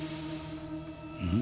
うん？